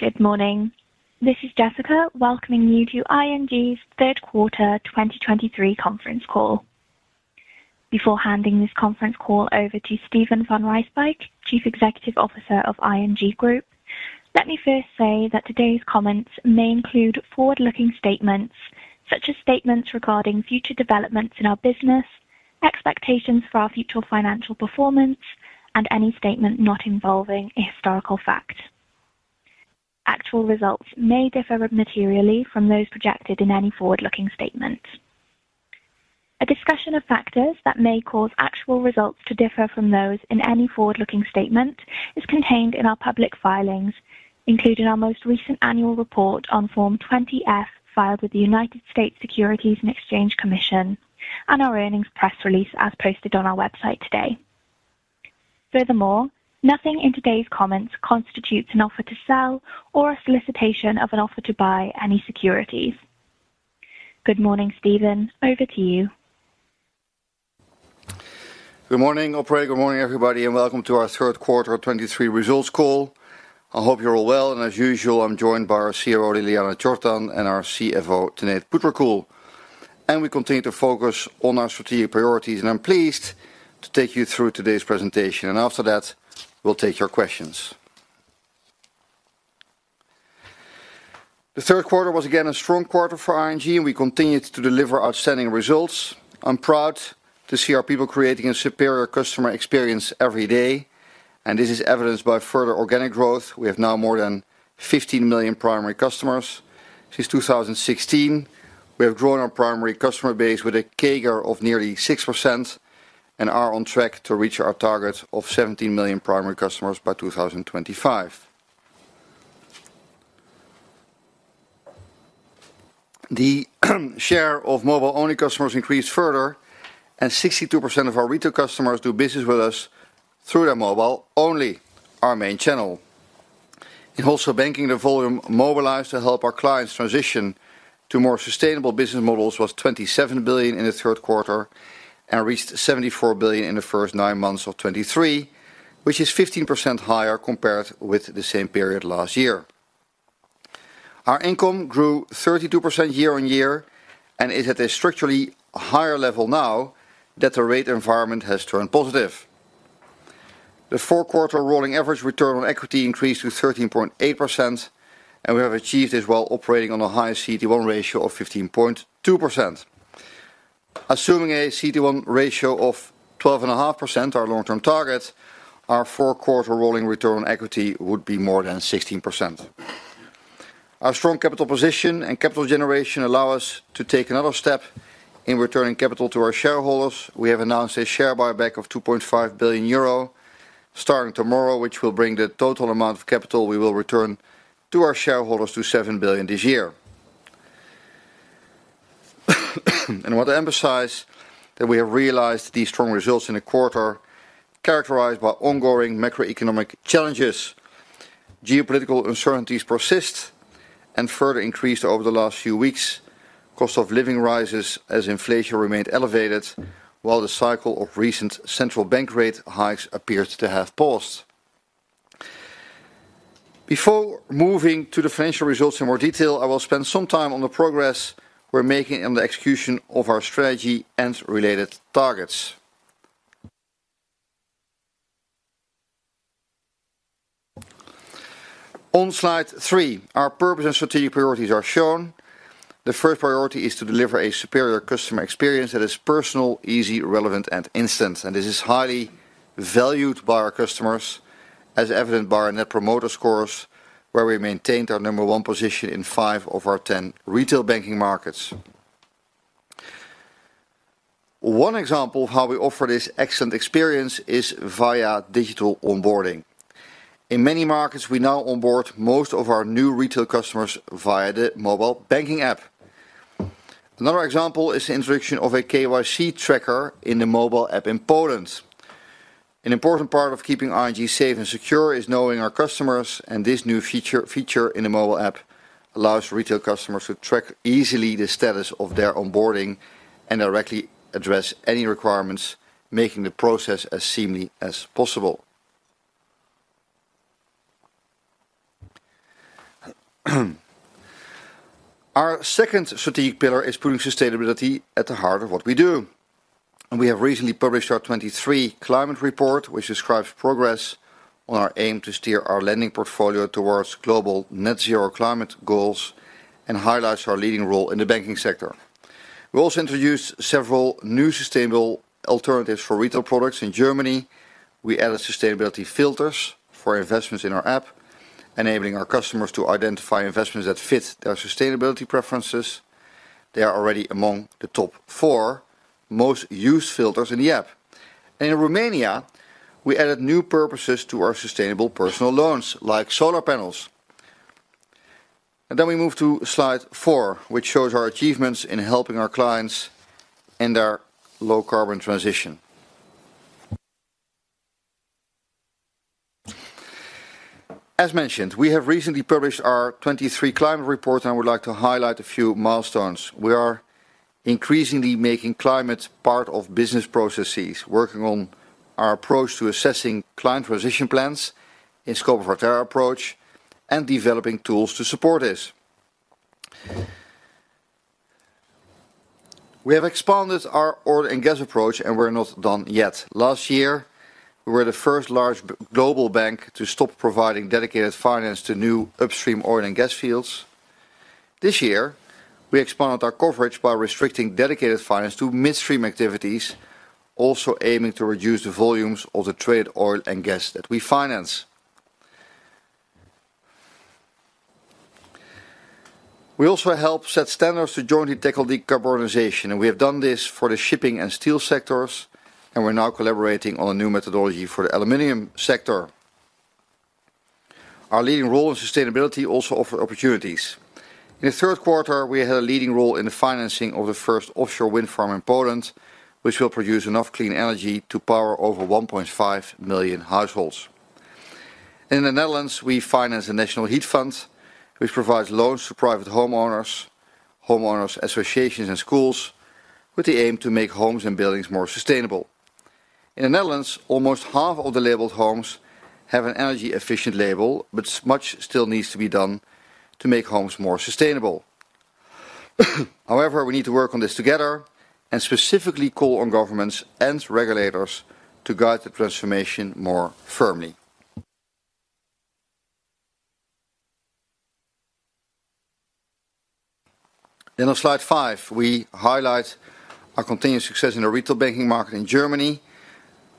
Good morning. This is Jessica, welcoming you to ING's Third Quarter 2023 Conference Call. Before handing this conference call over to Steven van Rijswijk, Chief Executive Officer of ING Group, let me first say that today's comments may include forward-looking statements, such as statements regarding future developments in our business, expectations for our future financial performance, and any statement not involving a historical fact. Actual results may differ materially from those projected in any forward-looking statement. A discussion of factors that may cause actual results to differ from those in any forward-looking statement is contained in our public filings, including our most recent annual report on Form 20-F, filed with the U.S. Securities and Exchange Commission, and our earnings press release, as posted on our website today. Furthermore, nothing in today's comments constitutes an offer to sell or a solicitation of an offer to buy any securities. Good morning, Steven. Over to you. Good morning, operator. Good morning, everybody, and welcome to our third quarter 2023 results call. I hope you're all well, and as usual, I'm joined by our CRO, Ljiljana Čortan, and our CFO, Tanate Phutrakul. We continue to focus on our strategic priorities, and I'm pleased to take you through today's presentation. After that, we'll take your questions. The third quarter was, again, a strong quarter for ING, and we continued to deliver outstanding results. I'm proud to see our people creating a superior customer experience every day, and this is evidenced by further organic growth. We have now more than 15 million primary customers. Since 2016, we have grown our primary customer base with a CAGR of nearly 6% and are on track to reach our target of 17 million primary customers by 2025. The share of mobile-only customers increased further, and 62% of our retail customers do business with us through their mobile, only our main channel. In Wholesale Banking, the volume mobilized to help our clients transition to more sustainable business models was 27 billion in the third quarter and reached 74 billion in the first nine months of 2023, which is 15% higher compared with the same period last year. Our income grew 32% year-on-year and is at a structurally higher level now that the rate environment has turned positive. The four-quarter rolling average return on equity increased to 13.8%, and we have achieved this while operating on a high CET1 ratio of 15.2%. Assuming a CET1 ratio of 12.5%, our long-term target, our four-quarter rolling return on equity would be more than 16%. Our strong capital position and capital generation allow us to take another step in returning capital to our shareholders. We have announced a share buyback of 2.5 billion euro, starting tomorrow, which will bring the total amount of capital we will return to our shareholders to 7 billion this year. I want to emphasize that we have realized these strong results in a quarter characterized by ongoing macroeconomic challenges. Geopolitical uncertainties persist and further increased over the last few weeks. Cost of living rises as inflation remained elevated, while the cycle of recent central bank rate hikes appears to have paused. Before moving to the financial results in more detail, I will spend some time on the progress we're making on the execution of our strategy and related targets. On slide three, our purpose and strategic priorities are shown. The first priority is to deliver a superior customer experience that is personal, easy, relevant, and instant. And this is highly valued by our customers, as evidenced by our Net Promoter Scores, where we maintained our number one position in five of our 10 Retail Banking markets. One example of how we offer this excellent experience is via digital onboarding. In many markets, we now onboard most of our new retail customers via the mobile banking app. Another example is the introduction of a KYC tracker in the mobile app in Poland. An important part of keeping ING safe and secure is knowing our customers, and this new feature in the mobile app allows retail customers to track easily the status of their onboarding and directly address any requirements, making the process as seamless as possible. Our second strategic pillar is putting sustainability at the heart of what we do. We have recently published our 2023 climate report, which describes progress on our aim to steer our lending portfolio towards global net zero climate goals and highlights our leading role in the banking sector. We also introduced several new sustainable alternatives for retail products. In Germany, we added sustainability filters for investments in our app, enabling our customers to identify investments that fit their sustainability preferences. They are already among the top four most used filters in the app. In Romania, we added new purposes to our sustainable personal loans, like solar panels. Then we move to slide four, which shows our achievements in helping our clients in their low-carbon transition. As mentioned, we have recently published our 2023 climate report, and I would like to highlight a few milestones. We are increasingly making climate part of business processes, working on our approach to assessing client transition plans in scope of our Terra approach, and developing tools to support this. We have expanded our oil and gas approach, and we're not done yet. Last year, we were the first large global bank to stop providing dedicated finance to new upstream oil and gas fields. This year, we expanded our coverage by restricting dedicated finance to midstream activities, also aiming to reduce the volumes of the trade oil and gas that we finance. We also help set standards to jointly tackle decarbonization, and we have done this for the shipping and steel sectors, and we're now collaborating on a new methodology for the aluminum sector. Our leading role in sustainability also offer opportunities. In the third quarter, we had a leading role in the financing of the first offshore wind farm in Poland, which will produce enough clean energy to power over 1.5 million households. In the Netherlands, we finance the National Heat Fund, which provides loans to private homeowners, homeowners associations, and schools, with the aim to make homes and buildings more sustainable. In the Netherlands, almost half of the labeled homes have an energy-efficient label, but so much still needs to be done to make homes more sustainable. However, we need to work on this together, and specifically call on governments and regulators to guide the transformation more firmly. Then on slide five, we highlight our continued success in the Retail Banking market in Germany.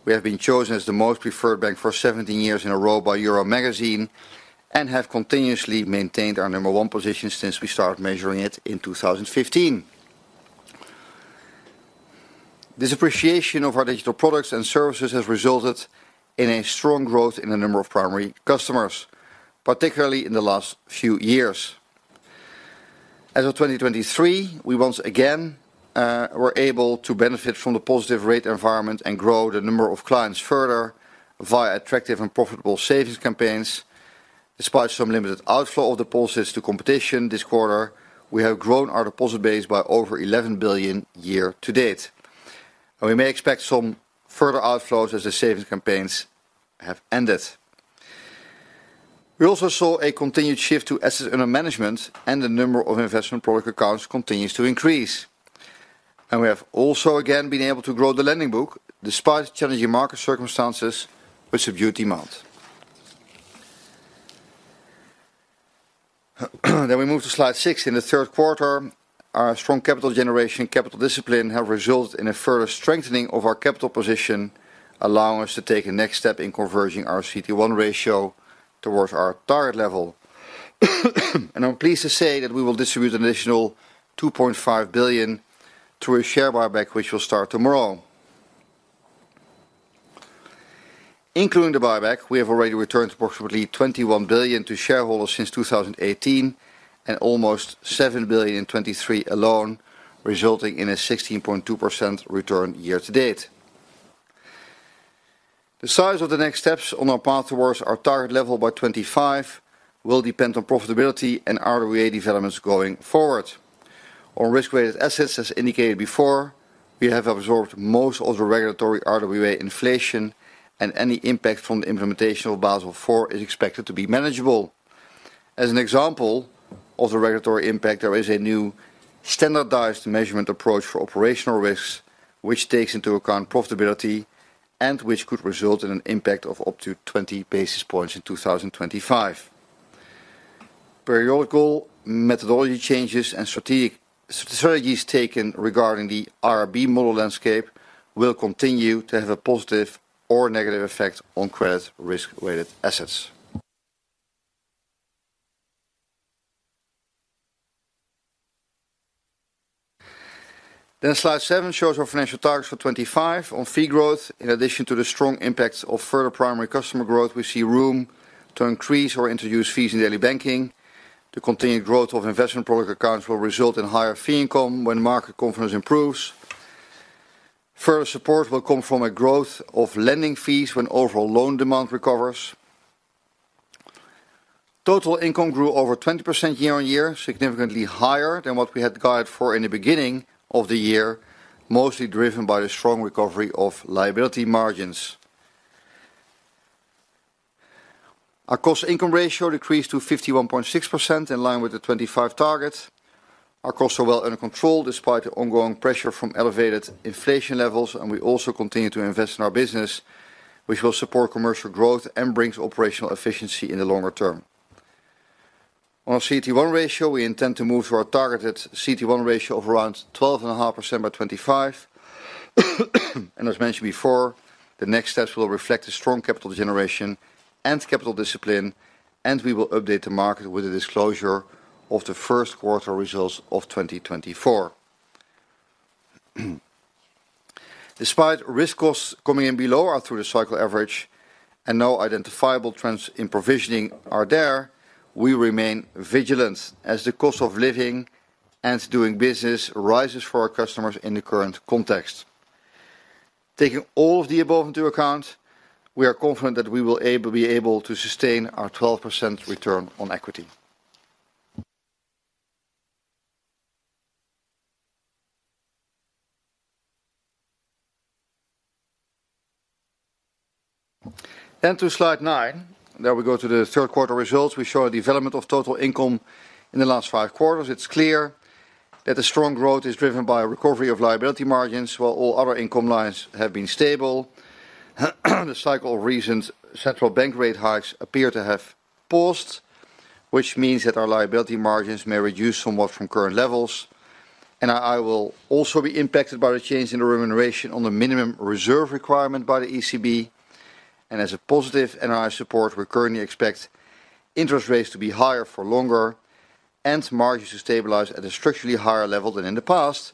We have been chosen as the most preferred bank for 17 years in a row by €uro magazine, and have continuously maintained our number one position since we started measuring it in 2015. This appreciation of our digital products and services has resulted in a strong growth in the number of primary customers, particularly in the last few years. As of 2023, we once again were able to benefit from the positive rate environment and grow the number of clients further via attractive and profitable savings campaigns. Despite some limited outflow of deposits to competition this quarter, we have grown our deposit base by over 11 billion year-to-date, and we may expect some further outflows as the savings campaigns have ended. We also saw a continued shift to assets under management, and the number of investment product accounts continues to increase. We have also again been able to grow the lending book, despite challenging market circumstances with subdued demand. We move to slide six. In the third quarter, our strong capital generation and capital discipline have resulted in a further strengthening of our capital position, allowing us to take a next step in converging our CET1 ratio towards our target level. I'm pleased to say that we will distribute an additional 2.5 billion through a share buyback, which will start tomorrow. Including the buyback, we have already returned approximately 21 billion to shareholders since 2018, and almost 7 billion in 2023 alone, resulting in a 16.2% return year to date. The size of the next steps on our path towards our target level by 2025 will depend on profitability and RWA developments going forward. On risk-weighted assets, as indicated before, we have absorbed most of the regulatory RWA inflation, and any impact from the implementation of Basel IV is expected to be manageable. As an example of the regulatory impact, there is a new standardized measurement approach for operational risks, which takes into account profitability and which could result in an impact of up to 20 basis points in 2025. Periodic methodology changes and strategies taken regarding the IRB model landscape will continue to have a positive or negative effect on credit risk-weighted assets. Then slide seven shows our financial targets for 25. On fee growth, in addition to the strong impacts of further primary customer growth, we see room to increase or introduce fees in daily banking. The continued growth of investment product accounts will result in higher fee income when market confidence improves. Further support will come from a growth of lending fees when overall loan demand recovers. Total income grew over 20% year-over-year, significantly higher than what we had guided for in the beginning of the year, mostly driven by the strong recovery of liability margins. Our cost-to-income ratio decreased to 51.6%, in line with the 2025 target. Our costs are well under control, despite the ongoing pressure from elevated inflation levels, and we also continue to invest in our business, which will support commercial growth and brings operational efficiency in the longer term. On our CET1 ratio, we intend to move to our targeted CET1 ratio of around 12.5% by 2025. As mentioned before, the next steps will reflect the strong capital generation and capital discipline, and we will update the market with the disclosure of the first quarter results of 2024. Despite risk costs coming in below our through-the-cycle average and no identifiable trends in provisioning are there, we remain vigilant as the cost of living and doing business rises for our customers in the current context. Taking all of the above into account, we are confident that we will able, be able to sustain our 12% return on equity. To slide nine, there we go to the third quarter results. We show a development of total income in the last five quarters. It's clear that the strong growth is driven by a recovery of liability margins, while all other income lines have been stable. The cycle of recent central bank rate hikes appear to have paused, which means that our liability margins may reduce somewhat from current levels. NII will also be impacted by the change in the remuneration on the minimum reserve requirement by the ECB, and as a positive NII support, we currently expect interest rates to be higher for longer and margins to stabilize at a structurally higher level than in the past,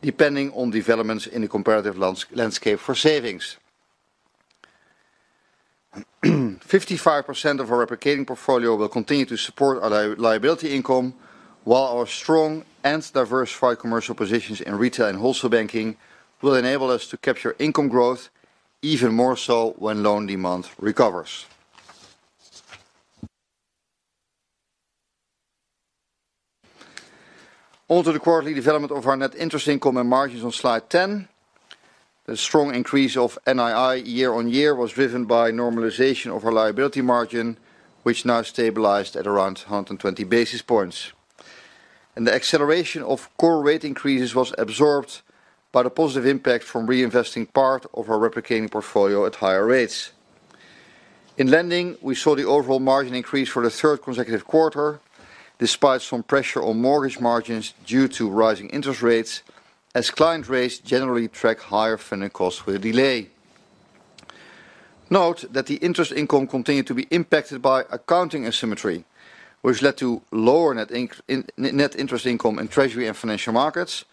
depending on developments in the competitive landscape for savings. 55% of our replicating portfolio will continue to support our liability income, while our strong and diversified commercial positions in retail and Wholesale Banking will enable us to capture income growth even more so when loan demand recovers. On to the quarterly development of our net interest income and margins on slide 10. The strong increase of NII year-over-year was driven by normalization of our liability margin, which now stabilized at around 120 basis points. The acceleration of core rate increases was absorbed by the positive impact from reinvesting part of our replicating portfolio at higher rates. In lending, we saw the overall margin increase for the third consecutive quarter, despite some pressure on mortgage margins due to rising interest rates, as client rates generally track higher funding costs with a delay. Note that the interest income continued to be impacted by accounting asymmetry, which led to lower net interest income in Treasury and Financial Markets,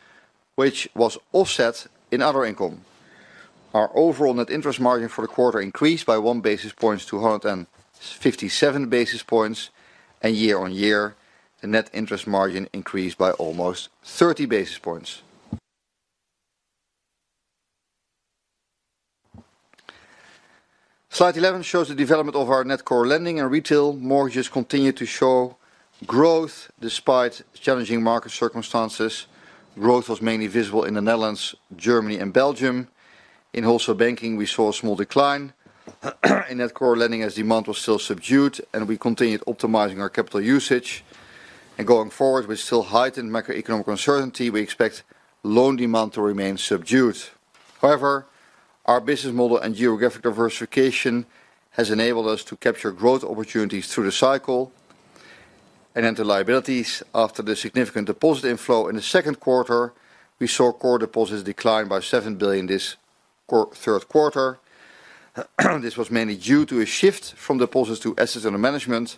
which was offset in other income. Our overall net interest margin for the quarter increased by 1 basis point to 157 basis points, and year-over-year, the net interest margin increased by almost 30 basis points. Slide 11 shows the development of our net core lending and retail mortgages continue to show growth despite challenging market circumstances. Growth was mainly visible in the Netherlands, Germany, and Belgium. In Wholesale Banking, we saw a small decline in net core lending as demand was still subdued and we continued optimizing our capital usage. Going forward, with still heightened macroeconomic uncertainty, we expect loan demand to remain subdued. However, our business model and geographic diversification has enabled us to capture growth opportunities through the cycle and enter liabilities. After the significant deposit inflow in the second quarter, we saw core deposits decline by 7 billion this third quarter. This was mainly due to a shift from deposits to assets under management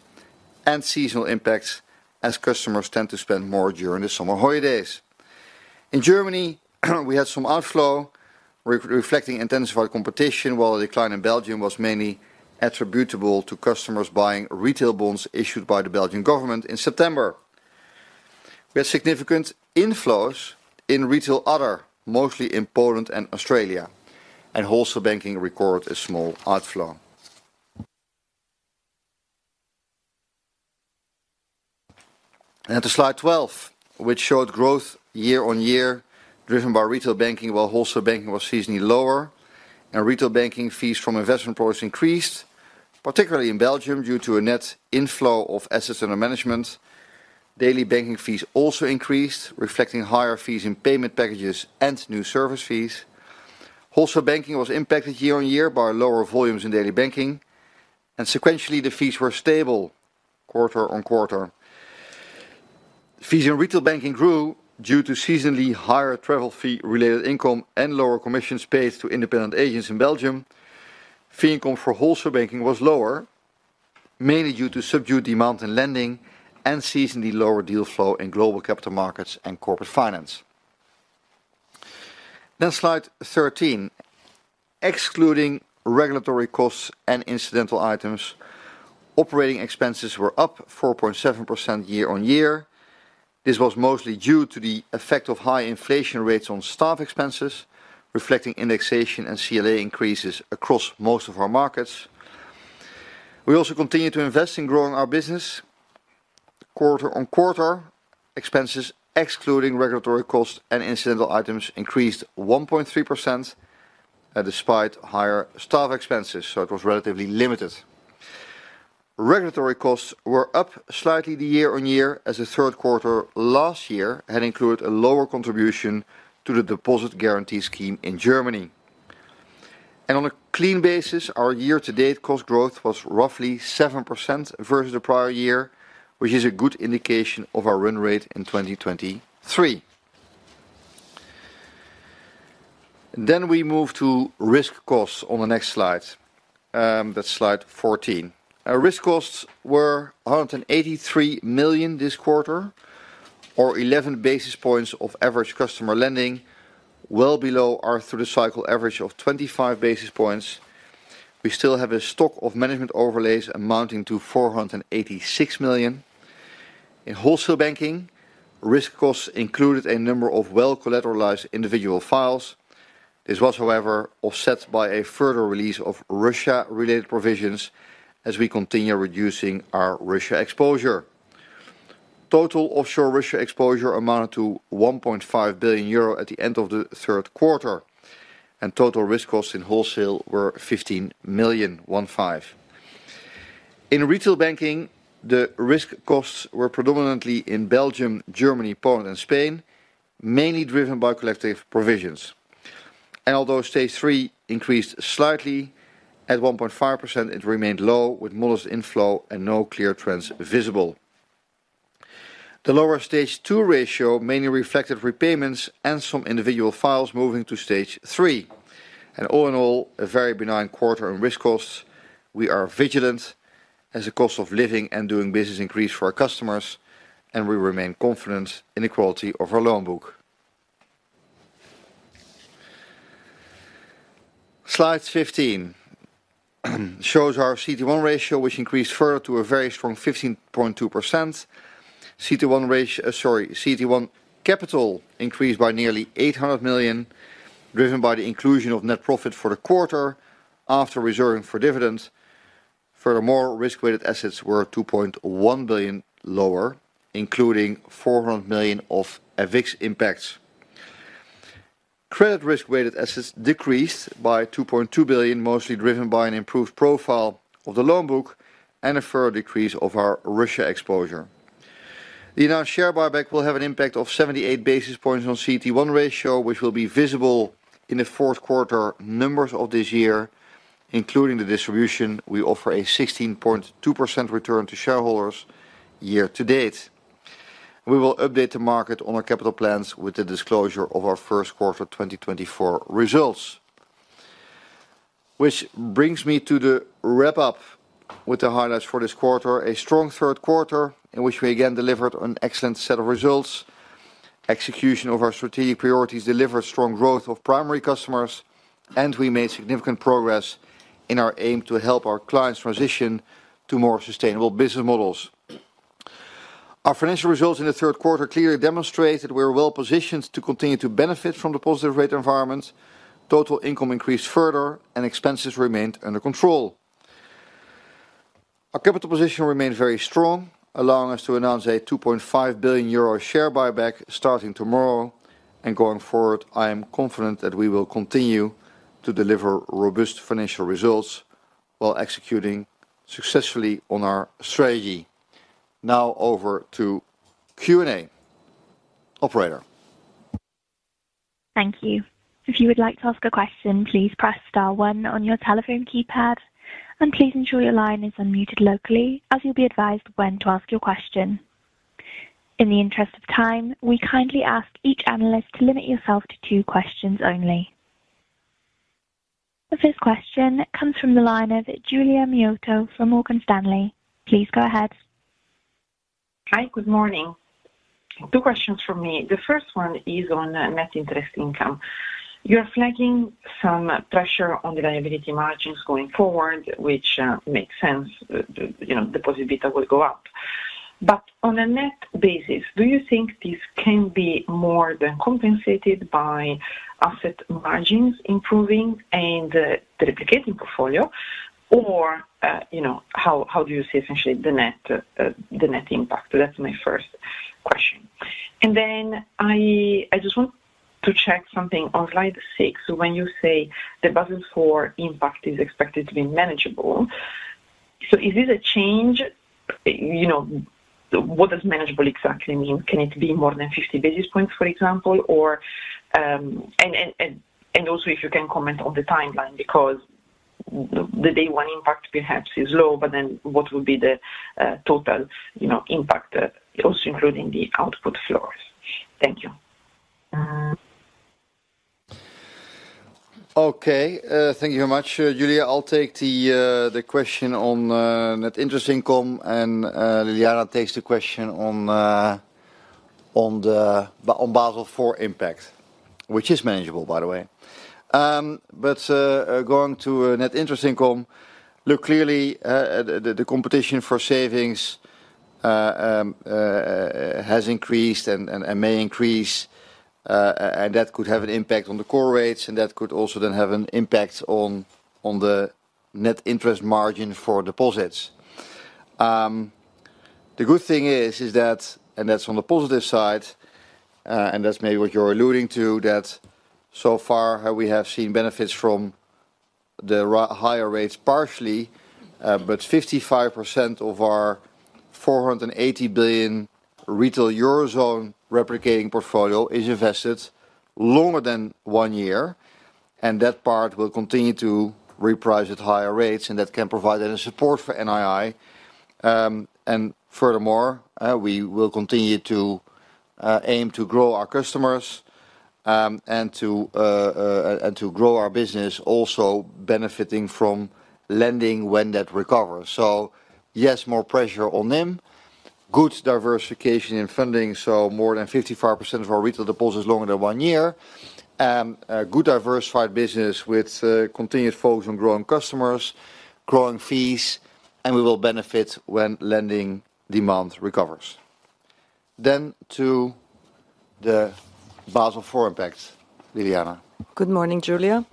and seasonal impacts as customers tend to spend more during the summer holidays. In Germany, we had some outflow reflecting intensified competition, while the decline in Belgium was mainly attributable to customers buying retail bonds issued by the Belgian government in September. We had significant inflows in Retail Other, mostly in Poland and Australia, and Wholesale Banking recorded a small outflow. And to slide 12, which showed growth year-on-year, driven by Retail Banking, while Wholesale Banking was seasonally lower and Retail Banking fees from investment products increased, particularly in Belgium, due to a net inflow of assets under management. Daily banking fees also increased, reflecting higher fees in payment packages and new service fees. Wholesale Banking was impacted year-on-year by lower volumes in daily banking, and sequentially, the fees were stable quarter-on-quarter. Fees in Retail Banking grew due to seasonally higher travel fee-related income and lower commissions paid to independent agents in Belgium. Fee income for Wholesale Banking was lower, mainly due to subdued demand in lending and seasonally lower deal flow in Global Capital Markets and Corporate Finance. Then slide 13. Excluding regulatory costs and incidental items, operating expenses were up 4.7% year-on-year. This was mostly due to the effect of high inflation rates on staff expenses, reflecting indexation and CLA increases across most of our markets. We also continued to invest in growing our business. Quarter-on-quarter, expenses, excluding regulatory costs and incidental items, increased 1.3%, despite higher staff expenses, so it was relatively limited. Regulatory costs were up slightly year-on-year, as the third quarter last year had included a lower contribution to the Deposit Guarantee Scheme in Germany. On a clean basis, our year-to-date cost growth was roughly 7% versus the prior year, which is a good indication of our run rate in 2023. We move to risk costs on the next slide, that's slide 14. Our risk costs were 183 million this quarter, or 11 basis points of average customer lending, well below our through-the-cycle average of 25 basis points. We still have a stock of management overlays amounting to 486 million. In Wholesale Banking, risk costs included a number of well-collateralized individual files. This was, however, offset by a further release of Russia-related provisions as we continue reducing our Russia exposure. Total offshore Russia exposure amounted to 1.5 billion euro at the end of the third quarter, and total risk costs in wholesale were 15 million. In Retail Banking, the risk costs were predominantly in Belgium, Germany, Poland, and Spain, mainly driven by collective provisions. And although Stage 3 increased slightly, at 1.5%, it remained low, with modest inflow and no clear trends visible. The lower Stage 2 ratio mainly reflected repayments and some individual files moving to Stage 3. And all in all, a very benign quarter and risk costs. We are vigilant as the cost of living and doing business increase for our customers, and we remain confident in the quality of our loan book. Slide 15 shows our CET1 ratio, which increased further to a very strong 15.2%. CET1 capital increased by nearly 800 million, driven by the inclusion of net profit for the quarter after reserving for dividends. Furthermore, risk-weighted assets were 2.1 billion lower, including 400 million of FX impacts. Credit risk-weighted assets decreased by 2.2 billion, mostly driven by an improved profile of the loan book and a further decrease of our Russia exposure. The announced share buyback will have an impact of 78 basis points on CET1 ratio, which will be visible in the fourth quarter numbers of this year, including the distribution. We offer a 16.2% return to shareholders year to date. We will update the market on our capital plans with the disclosure of our first quarter 2024 results. Which brings me to the wrap-up with the highlights for this quarter, a strong third quarter, in which we again delivered an excellent set of results. Execution of our strategic priorities delivered strong growth of primary customers, and we made significant progress in our aim to help our clients transition to more sustainable business models. Our financial results in the third quarter clearly demonstrate that we're well-positioned to continue to benefit from the positive rate environment. Total income increased further and expenses remained under control. Our capital position remains very strong, allowing us to announce a 2.5 billion euro share buyback starting tomorrow. Going forward, I am confident that we will continue to deliver robust financial results while executing successfully on our strategy. Now over to Q&A. Operator? Thank you. If you would like to ask a question, please press star one on your telephone keypad, and please ensure your line is unmuted locally, as you'll be advised when to ask your question. In the interest of time, we kindly ask each analyst to limit yourself to two questions only. The first question comes from the line of Giulia Miotto from Morgan Stanley. Please go ahead. Hi, good morning. Two questions from me. The first one is on net interest income. You're flagging some pressure on the liability margins going forward, which makes sense. You know, the positivity will go up. But on a net basis, do you think this can be more than compensated by asset margins improving and the replicating portfolio? Or, you know, how do you see essentially the net, the net impact? So that's my first question. And then I just want to check something. On slide six, when you say the Basel IV impact is expected to be manageable, so is this a change? You know, what does manageable exactly mean? Can it be more than 50 basis points, for example? Or... Also, if you can comment on the timeline, because the day one impact perhaps is low, but then what would be the total, you know, impact, also including the output flows? Thank you. Uh- Okay, thank you very much, Giulia. I'll take the question on net interest income, and Ljiljana takes the question on the Basel IV impact, which is manageable, by the way. But going to net interest income, look, clearly, the competition for savings has increased and may increase, and that could have an impact on the core rates, and that could also then have an impact on the net interest margin for deposits. The good thing is that, and that's on the positive side, and that's maybe what you're alluding to, that so far, we have seen benefits from the higher rates, partially, but 55% of our 480 billion retail Eurozone replicating portfolio is invested longer than one year, and that part will continue to reprice at higher rates, and that can provide support for NII. And furthermore, we will continue to aim to grow our customers, and to grow our business, also benefiting from lending when that recovers. So yes, more pressure on NIM. Good diversification in funding, so more than 55% of our retail deposits is longer than one year. A good diversified business with continued focus on growing customers, growing fees, and we will benefit when lending demand recovers. Then to the Basel IV impact, Ljiljana. Good morning, Giulia.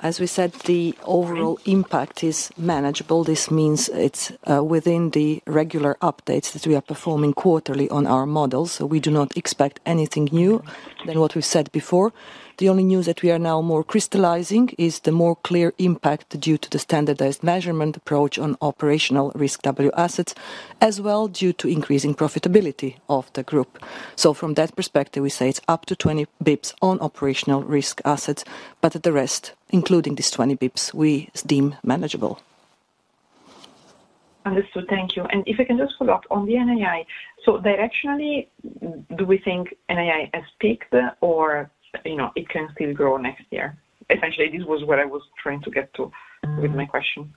As we said, the overall impact is manageable. This means it's within the regular updates that we are performing quarterly on our models, so we do not expect anything new than what we've said before. The only news that we are now more crystallizing is the more clear impact due to the standardized measurement approach on operational risk RWAs, as well, due to increasing profitability of the group. So from that perspective, we say it's up to 20 basis points on operational risk assets, but as for the rest, including this 20 basis points, we deem manageable. Understood. Thank you. And if I can just follow up on the NII. So directionally, do we think NII has peaked or, you know, it can still grow next year? Essentially, this was what I was trying to get to with my question.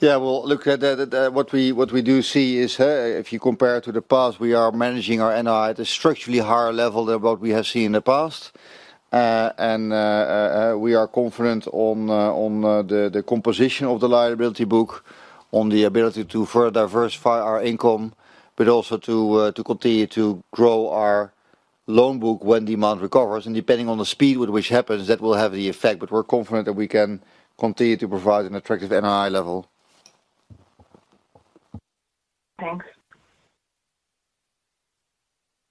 Yeah, well, look at what we do see is, if you compare to the past, we are managing our NII at a structurally higher level than what we have seen in the past. And we are confident on the composition of the liability book, on the ability to further diversify our income, but also to continue to grow our loan book when demand recovers, and depending on the speed with which happens, that will have the effect. But we're confident that we can continue to provide an attractive NII level. Thanks.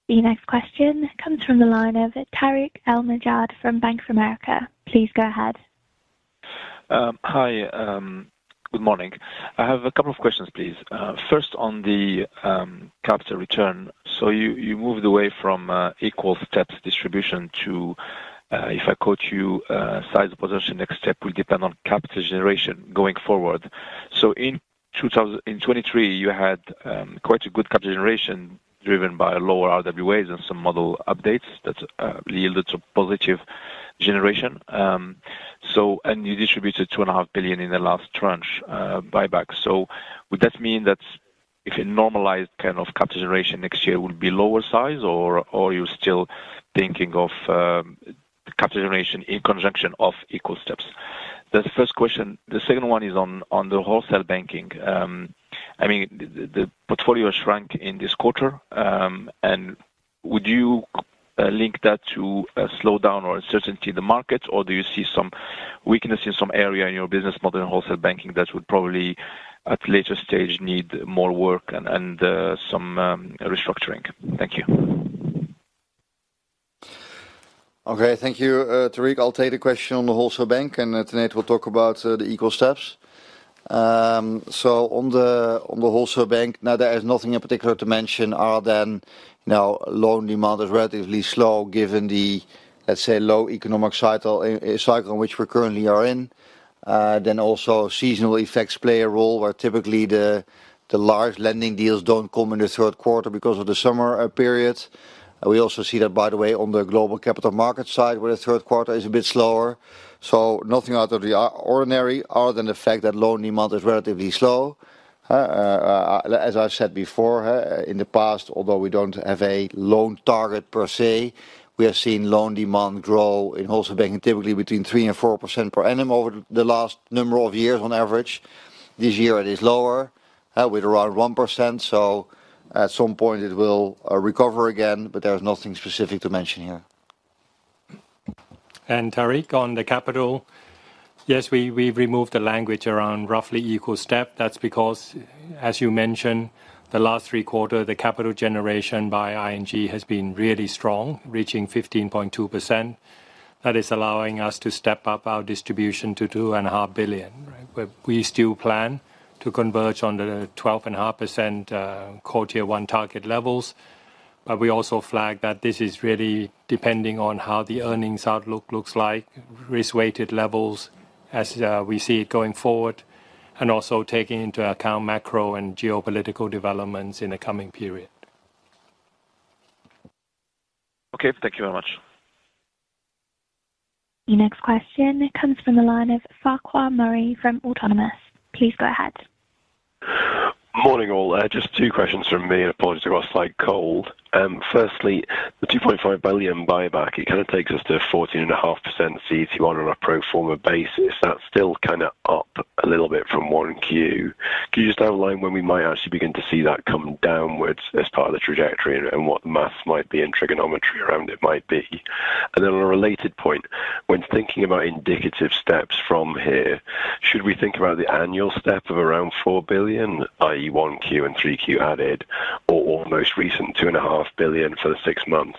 The next question comes from the line of Tarik El Mejjad from Bank of America. Please go ahead. Hi, good morning. I have a couple of questions, please. First, on the capital return. So you moved away from equal steps distribution to, if I quote you, "Size position, next step will depend on capital generation going forward." So in 2023, you had quite a good capital generation, driven by lower RWAs and some model updates that yielded to positive generation. And you distributed 2.5 billion in the last tranche buyback. So would that mean that if a normalized kind of capital generation next year would be lower size, or you're still thinking of capital generation in conjunction of equal steps? That's the first question. The second one is on the Wholesale Banking. I mean, the portfolio shrank in this quarter, and would you link that to a slowdown or uncertainty in the market? Or do you see some weakness in some area in your business model in Wholesale Banking that would probably, at later stage, need more work and some restructuring? Thank you. Okay. Thank you, Tarik. I'll take the question on the Wholesale Bank, and then Tanate will talk about the equal steps. So on the Wholesale Bank, now, there is nothing in particular to mention other than, now, loan demand is relatively slow given the, let's say, low economic cycle, cycle in which we currently are in. Then also, seasonal effects play a role, where typically the large lending deals don't come in the third quarter because of the summer period. We also see that, by the way, on the global capital market side, where the third quarter is a bit slower. So nothing out of the ordinary other than the fact that loan demand is relatively slow. As I've said before, in the past, although we don't have a loan target per se, we have seen loan demand grow in Wholesale Bank, and typically between 3% and 4% per annum over the last number of years on average. This year it is lower, with around 1%, so at some point it will recover again, but there is nothing specific to mention here. Tariq, on the capital, yes, we, we've removed the language around roughly equal step. That's because, as you mentioned, the last three quarters, the capital generation by ING has been really strong, reaching 15.2%. That is allowing us to step up our distribution to 2.5 billion, right? But we still plan to converge on the 12.5%, Q1 target levels. But we also flag that this is really depending on how the earnings outlook looks like, risk-weighted levels as we see it going forward, and also taking into account macro and geopolitical developments in the coming period. Okay. Thank you very much. The next question comes from the line of Farquhar Murray from Autonomous. Please go ahead. Morning, all. Just two questions from me, and apologies, I've got a slight cold. Firstly, the 2.5 billion buyback, it kind of takes us to 14.5% CET1 on a pro forma basis. That's still kind of up a little bit from 1Q. Can you just outline when we might actually begin to see that come downwards as part of the trajectory, and what the maths might be and trigonometry around it might be? And then on a related point, when thinking about indicative steps from here, should we think about the annual step of around 4 billion, i.e., 1Q and 3Q added, or most recent 2.5 billion for the six months?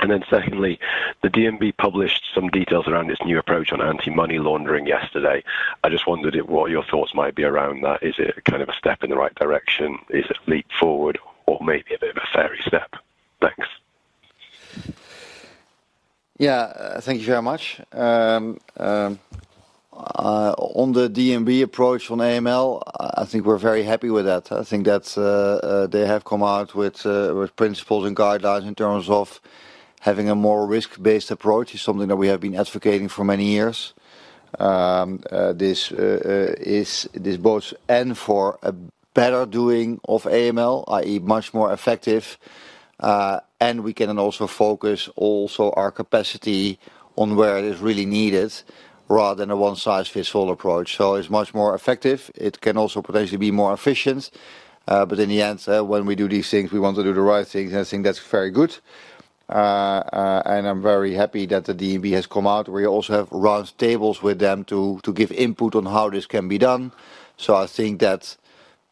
And then secondly, the DNB published some details around its new approach on anti-money laundering yesterday. I just wondered what your thoughts might be around that. Is it kind of a step in the right direction? Is it a leap forward or maybe a bit of a fairy step? Thanks. Yeah, thank you very much. On the DNB approach on AML, I think we're very happy with that. I think that they have come out with principles and guidelines in terms of having a more risk-based approach is something that we have been advocating for many years. This bodes well for a better doing of AML, i.e., much more effective, and we can then also focus our capacity on where it is really needed, rather than a one-size-fits-all approach. So it's much more effective. It can also potentially be more efficient, but in the end, when we do these things, we want to do the right things, and I think that's very good. And I'm very happy that the DNB has come out. We also have round tables with them to give input on how this can be done. So I think that's,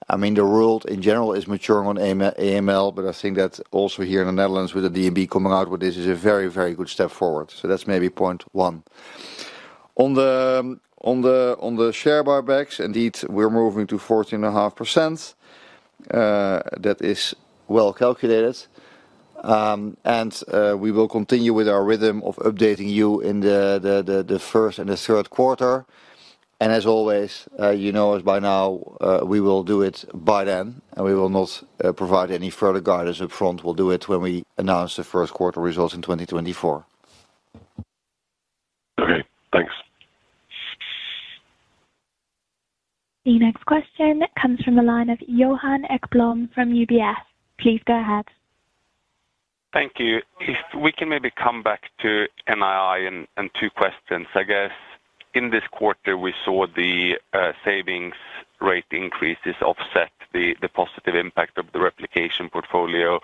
I mean, the world in general is maturing on AML, but I think that's also here in the Netherlands, with the DNB coming out with this is a very, very good step forward. So that's maybe point one. On the share buybacks, indeed, we're moving to 14.5%. That is well calculated. And we will continue with our rhythm of updating you in the first and the third quarter. And as always, you know as by now, we will do it by then, and we will not provide any further guidance up front. We'll do it when we announce the first quarter results in 2024. Okay, thanks. The next question comes from the line of Johan Ekblom from UBS. Please go ahead. Thank you. If we can maybe come back to NII, and two questions. I guess, in this quarter, we saw the savings rate increases offset the positive impact of the replication portfolio.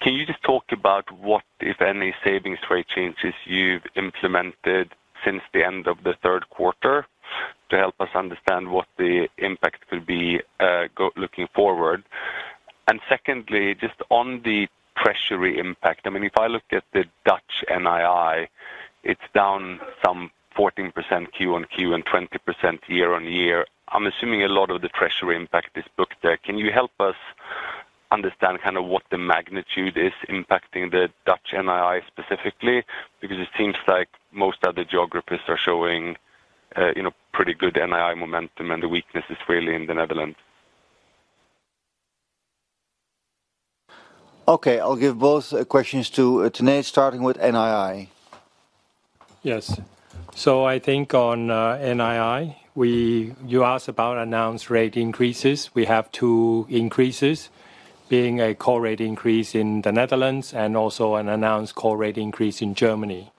Can you just talk about what, if any, savings rate changes you've implemented since the end of the third quarter, to help us understand what the impact will be, looking forward? And secondly, just on the treasury impact, I mean, if I look at the Dutch NII, it's down some 14% Q-on-Q, and 20% year-on-year. I'm assuming a lot of the treasury impact is booked there. Can you help us understand kind of what the magnitude is impacting the Dutch NII specifically? Because it seems like most other geographies are showing, you know, pretty good NII momentum, and the weakness is really in the Netherlands. Okay, I'll give both questions to Tanate, starting with NII. Yes. So I think on NII, you asked about announced rate increases. We have two increases, being a call rate increase in the Netherlands and also an announced call rate increase in Germany.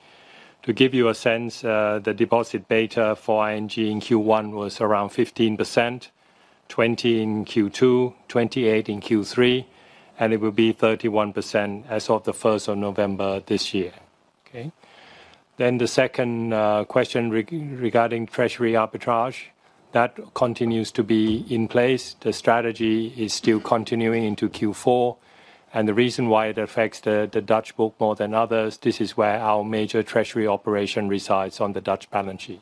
To give you a sense, the deposit beta for ING in Q1 was around 15%, 20% in Q2, 28% in Q3, and it will be 31% as of the first of November this year. Okay? Then the second question regarding treasury arbitrage, that continues to be in place. The strategy is still continuing into Q4, and the reason why it affects the Dutch book more than others, this is where our major treasury operation resides on the Dutch balance sheet.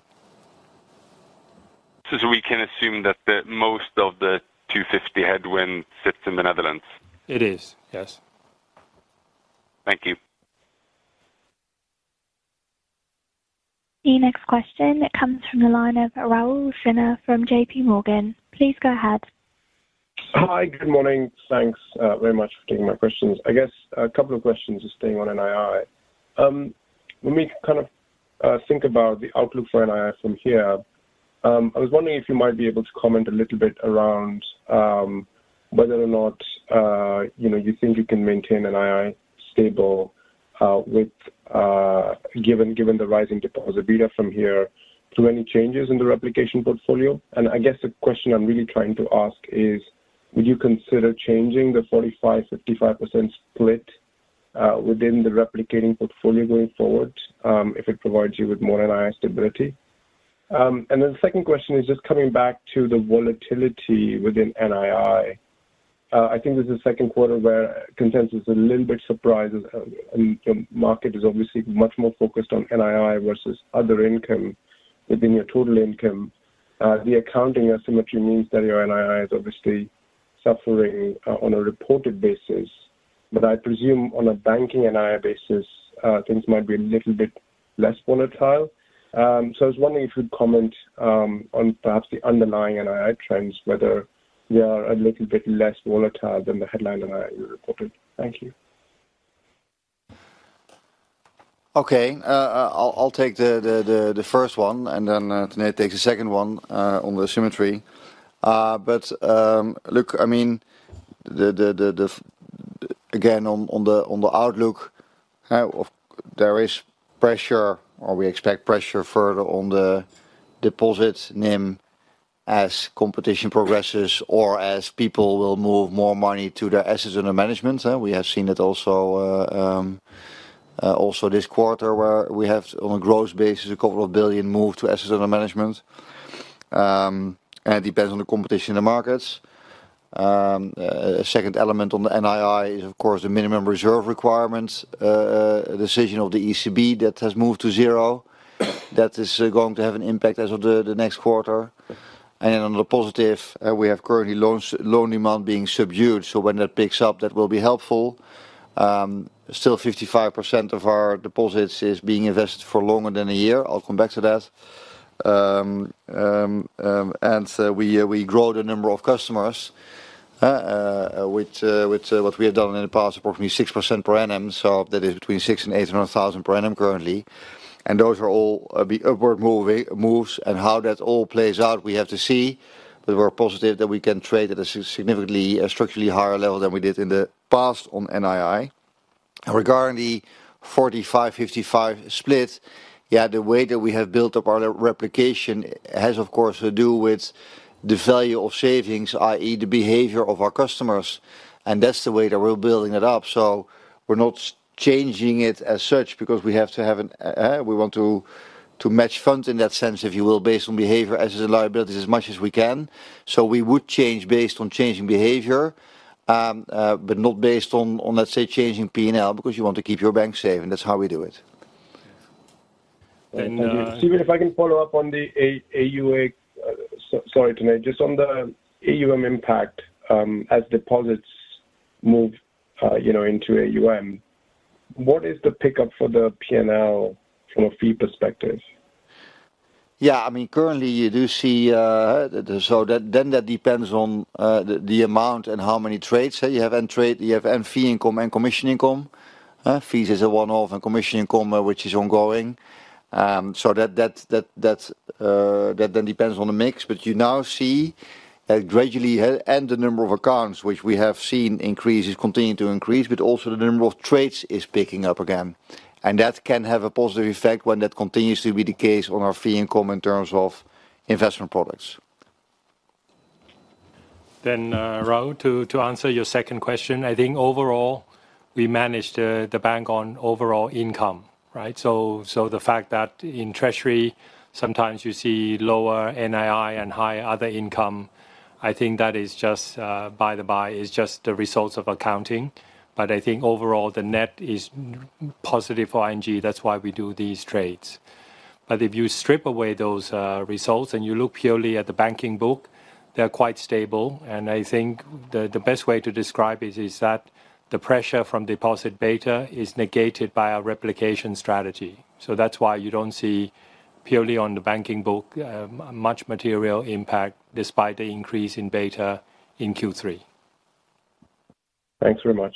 We can assume that the most of the 250 headwind sits in the Netherlands? It is, yes. Thank you. The next question comes from the line of Raul Sinha from JPMorgan. Please go ahead. Hi, good morning. Thanks, very much for taking my questions. I guess, a couple of questions just staying on NII. When we kind of think about the outlook for NII from here, I was wondering if you might be able to comment a little bit around, whether or not, you know, you think you can maintain NII stable, with, given the rising deposit beta from here to any changes in the replication portfolio? And I guess the question I'm really trying to ask is: would you consider changing the 45%-55% split, within the replicating portfolio going forward, if it provides you with more NII stability? And then the second question is just coming back to the volatility within NII. I think this is the second quarter where consensus is a little bit surprised, and the market is obviously much more focused on NII versus other income within your total income. The accounting asymmetry means that your NII is obviously suffering on a reported basis, but I presume on a banking NII basis, things might be a little bit less volatile. So I was wondering if you'd comment on perhaps the underlying NII trends, whether they are a little bit less volatile than the headline NII reported. Thank you. Okay. I'll take the first one, and then Tanate takes the second one on the symmetry. But look, I mean, again, on the outlook, there is pressure, or we expect pressure further on the deposit NIM as competition progresses or as people will move more money to their assets under management. We have seen that also this quarter, where we have, on a gross basis, 2 billion moved to assets under management. And it depends on the competition in the markets. A second element on the NII is, of course, the minimum reserve requirements decision of the ECB that has moved to zero. That is going to have an impact as of the next quarter. On the positive, we have currently loans, loan demand being subdued, so when that picks up, that will be helpful. Still 55% of our deposits is being invested for longer than a year. I'll come back to that. And we grow the number of customers with what we have done in the past, approximately 6% per annum, so that is between 600,000 and 800,000 per annum currently. And those are all be upward moving- moves, and how that all plays out, we have to see. But we're positive that we can trade at a significantly, structurally higher level than we did in the past on NII. Regarding the 45-55 split, yeah, the way that we have built up our replication has, of course, to do with the value of savings, i.e., the behavior of our customers, and that's the way that we're building it up. So we're not changing it as such because we have to have an, we want to match funds in that sense, if you will, based on behavior as is liabilities as much as we can. So we would change based on changing behavior, but not based on, let's say, changing P&L, because you want to keep your bank safe, and that's how we do it. Steven, if I can follow up on the AUA. Sorry, just on the AUM impact, as deposits move, you know, into AUM, what is the pickup for the P&L from a fee perspective? Yeah, I mean, currently you do see, then that depends on the amount and how many trades you have and trades you have and fee income and commission income. Fees is a one-off and commission income, which is ongoing. That then depends on the mix. But you now see gradually, and the number of accounts which we have seen increases continuing to increase, but also the number of trades is picking up again, and that can have a positive effect when that continues to be the case on our fee income in terms of investment products. Then, Raul, to, to answer your second question, I think overall, we managed the bank on overall income, right? So, so the fact that in treasury, sometimes you see lower NII and high other income, I think that is just, by the by, just the results of accounting. But I think overall, the net is positive for ING. That's why we do these trades. But if you strip away those, results and you look purely at the banking book, they're quite stable, and I think the, the best way to describe it is that the pressure from deposit beta is negated by our replication strategy. So that's why you don't see purely on the banking book, much material impact despite the increase in beta in Q3. Thanks very much.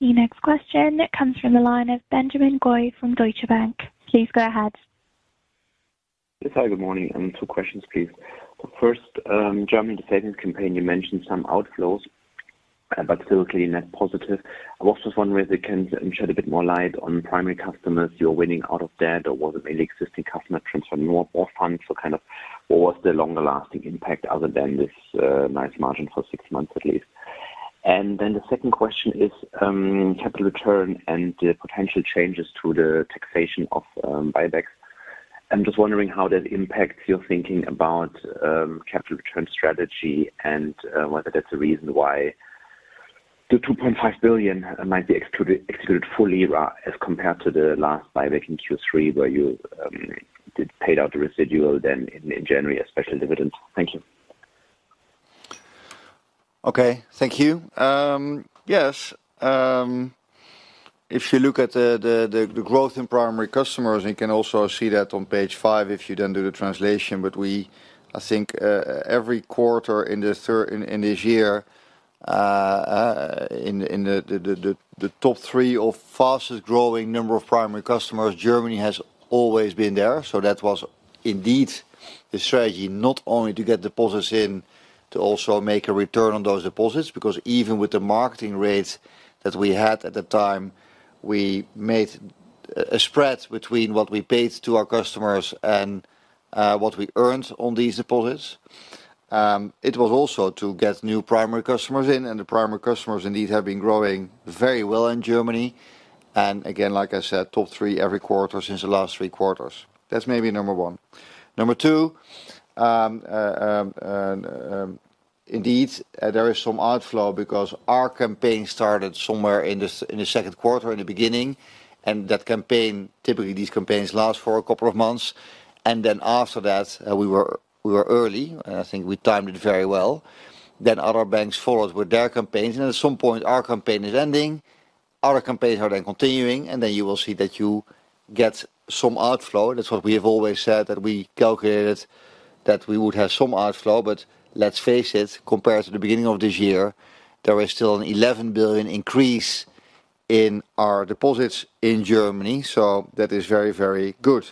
The next question comes from the line of Benjamin Goy from Deutsche Bank. Please go ahead. Yes, hi, good morning. Two questions, please. First, German savings campaign, you mentioned some outflows, but still clearly net positive. I was just wondering if you can shed a bit more light on primary customers you're winning out of debt, or was it an existing customer transfer more funds? So kind of what was the longer lasting impact other than this, nice margin for six months, at least? And then the second question is, capital return and the potential changes to the taxation of buybacks. I'm just wondering how that impacts your thinking about, capital return strategy and, whether that's a reason why the 2.5 billion might be excluded fully rather as compared to the last buyback in Q3, where you did pay out the residual then in January as special dividends. Thank you. Okay. Thank you. Yes. If you look at the growth in primary customers, you can also see that on page five, if you then do the translation. But I think, every quarter in this year, in the top three of fastest growing number of primary customers, Germany has always been there. So that was indeed the strategy, not only to get deposits in, to also make a return on those deposits, because even with the market rates that we had at the time, we made a spread between what we paid to our customers and what we earned on these deposits. It was also to get new primary customers in, and the primary customers indeed have been growing very well in Germany. And again, like I said, top three every quarter since the last three quarters. That's maybe number one. Number two, indeed, there is some outflow because our campaign started somewhere in the second quarter, in the beginning, and that campaign, typically these campaigns last for a couple of months, and then after that, we were early, and I think we timed it very well, then other banks followed with their campaigns, and at some point our campaign is ending, other campaigns are then continuing, and then you will see that you get some outflow. That's what we have always said, that we calculated that we would have some outflow, but let's face it, compared to the beginning of this year, there is still an 11 billion increase in our deposits in Germany, so that is very, very good.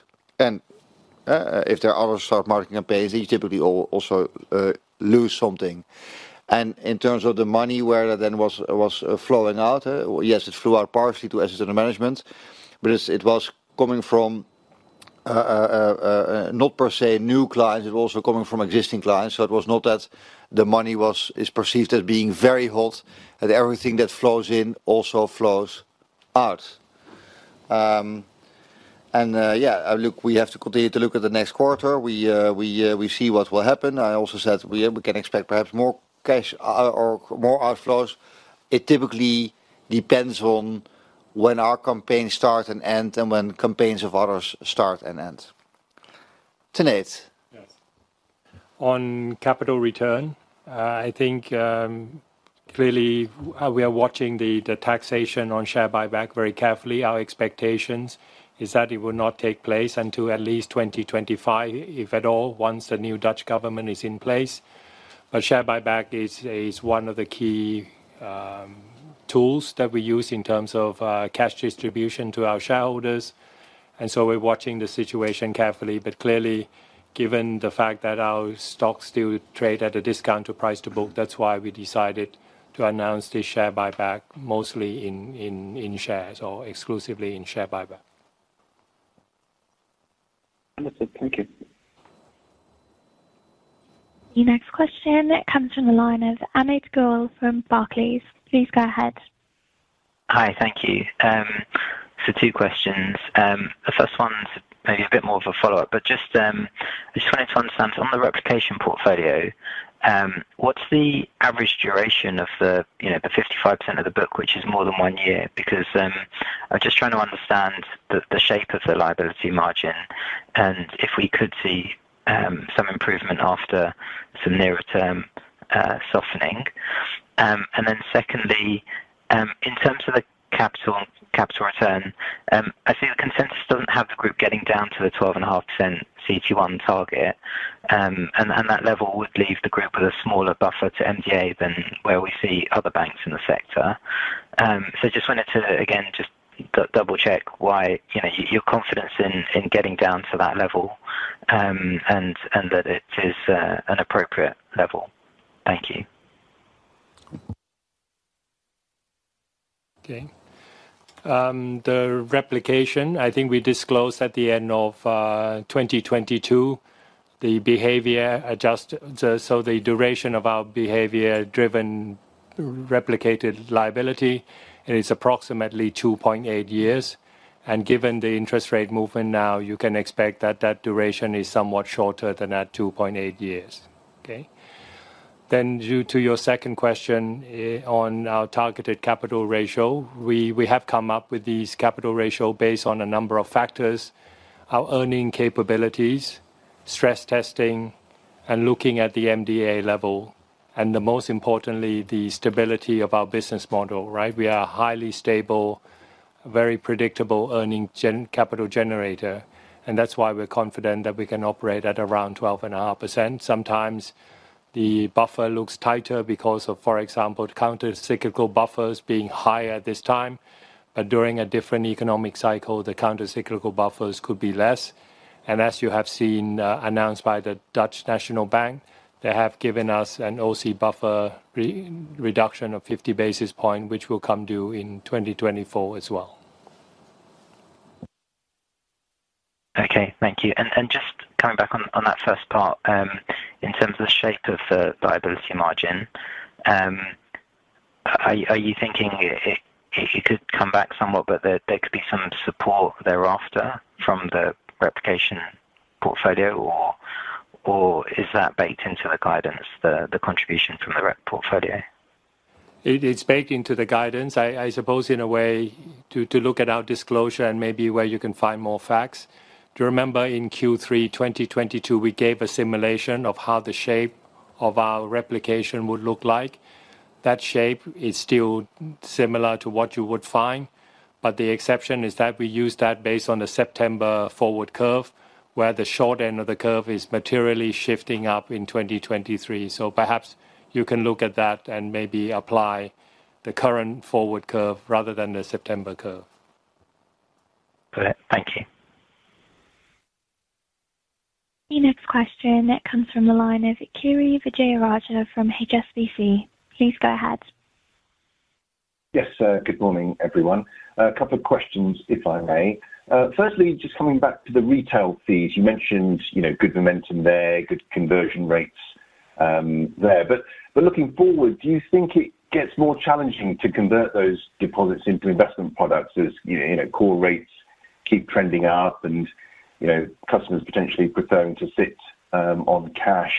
If there are other smart marketing campaigns, you typically also lose something. In terms of the money, where it was flowing out, yes, it flew out partially to asset management, but it was coming from not per se new clients, it was also coming from existing clients, so it was not that the money is perceived as being very hot, and everything that flows in also flows out. Yeah, look, we have to continue to look at the next quarter. We see what will happen. I also said we can expect perhaps more cash or more outflows. It typically depends on when our campaigns start and end, and when campaigns of others start and end. Tanate? Yes. On capital return, I think, clearly, we are watching the taxation on share buyback very carefully. Our expectations is that it will not take place until at least 2025, if at all, once the new Dutch government is in place. But share buyback is one of the key tools that we use in terms of cash distribution to our shareholders, and so we're watching the situation carefully. But clearly, given the fact that our stocks do trade at a discount to price to book, that's why we decided to announce the share buyback, mostly in shares or exclusively in share buyback. Understood. Thank you. Your next question comes from the line of Amit Goel from Barclays. Please go ahead. Hi, thank you. So two questions. The first one's maybe a bit more of a follow-up, but just, I just wanted to understand, on the replication portfolio, what's the average duration of the, you know, the 55% of the book, which is more than one year? Because, I'm just trying to understand the, the shape of the liability margin, and if we could see, some improvement after some nearer term, softening. And then secondly, in terms of the capital, capital return, I see the consensus doesn't have the group getting down to the 12.5% CET1 target. And, that level would leave the group with a smaller buffer to MDA than where we see other banks in the sector. Just wanted to, again, just double-check why, you know, your confidence in, in getting down to that level, and that it is an appropriate level. Thank you. Okay. The replication, I think we disclosed at the end of 2022, so the duration of our behavior-driven replicated liability, it is approximately 2.8 years. And given the interest rate movement now, you can expect that that duration is somewhat shorter than that 2.8 years. Okay? Then due to your second question on our targeted capital ratio, we, we have come up with these capital ratio based on a number of factors: our earning capabilities, stress testing, and looking at the MDA level, and the most importantly, the stability of our business model, right? We are a highly stable, very predictable earning capital generator, and that's why we're confident that we can operate at around 12.5%. Sometimes the buffer looks tighter because of, for example, countercyclical buffers being higher at this time. But during a different economic cycle, the countercyclical buffers could be less. And as you have seen, announced by the Dutch National Bank, they have given us an O-SII buffer reduction of 50 basis points, which will come due in 2024 as well. Okay, thank you. And just coming back on that first part, in terms of the shape of the liability margin, are you thinking it could come back somewhat, but there could be some support thereafter from the replication portfolio, or is that baked into the guidance, the contribution from the replication portfolio? It is baked into the guidance. I suppose, in a way, to look at our disclosure and maybe where you can find more facts. Do you remember in Q3 2022, we gave a simulation of how the shape of our replication would look like? That shape is still similar to what you would find, but the exception is that we use that based on the September forward curve, where the short end of the curve is materially shifting up in 2023. So perhaps you can look at that and maybe apply the current forward curve rather than the September curve. Correct. Thank you. The next question that comes from the line of Kiri Vijayarajah from HSBC. Please go ahead. Yes, sir. Good morning, everyone. A couple of questions, if I may. Firstly, just coming back to the retail fees. You mentioned, you know, good momentum there, good conversion rates, there. But looking forward, do you think it gets more challenging to convert those deposits into investment products as, you know, core rates keep trending up and, you know, customers potentially preferring to sit on cash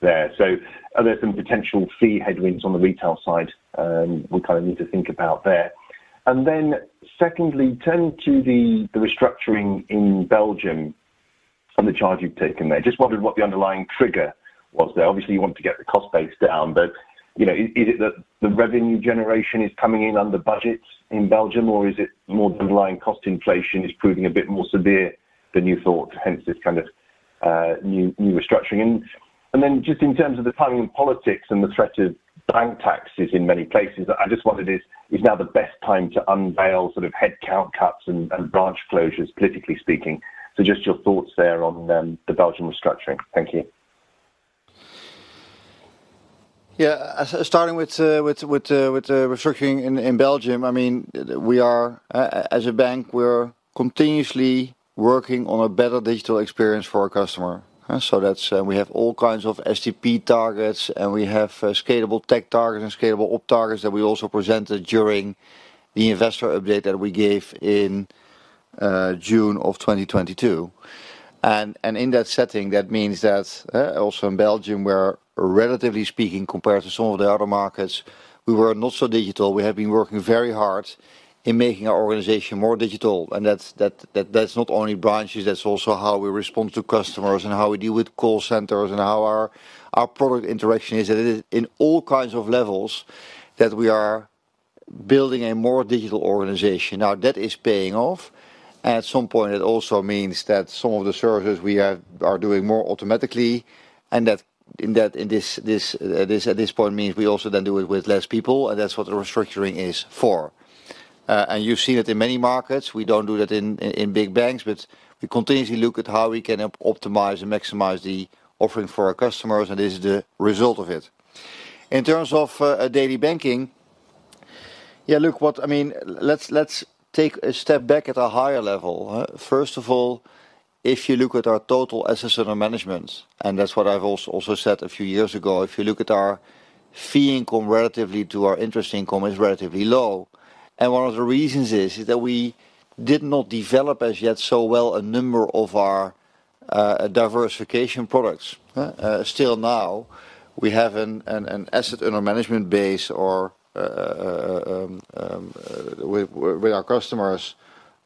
there? So are there some potential fee headwinds on the retail side we kind of need to think about there? And then secondly, turning to the restructuring in Belgium and the charge you've taken there. I just wondered what the underlying trigger was there. Obviously, you want to get the cost base down, but, you know, is it that the revenue generation is coming in under budgets in Belgium, or is it more the underlying cost inflation is proving a bit more severe than you thought, hence this kind of new restructuring? Then just in terms of the timing and politics and the threat of bank taxes in many places, I just wondered, is now the best time to unveil sort of headcount cuts and branch closures, politically speaking? So just your thoughts there on the Belgium restructuring. Thank you. Yeah. Starting with the restructuring in Belgium, I mean, we are, as a bank, we're continuously working on a better digital experience for our customer. So that's, we have all kinds of STP targets, and we have scalable tech targets and scalable op targets that we also presented during the investor update that we gave in, June of 2022. And in that setting, that means that also in Belgium, where relatively speaking, compared to some of the other markets, we were not so digital. We have been working very hard in making our organization more digital, and that's not only branches, that's also how we respond to customers and how we deal with call centers and how our product interaction is. It in all kinds of levels that we are building a more digital organization. Now, that is paying off, and at some point it also means that some of the services we have are doing more automatically, and that in this at this point means we also then do it with less people, and that's what the restructuring is for. And you've seen it in many markets. We don't do that in big banks, but we continuously look at how we can optimize and maximize the offering for our customers, and this is the result of it. In terms of daily banking, yeah, look, what I mean, let's take a step back at a higher level. First of all, if you look at our total assets under management, and that's what I've also said a few years ago, if you look at our fee income relatively to our interest income, it's relatively low. And one of the reasons is that we did not develop as yet so well a number of our diversification products. Still now, we have an asset under management base or with our customers